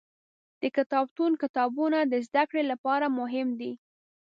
د کتابتون کتابونه د زده کړې لپاره مهم دي.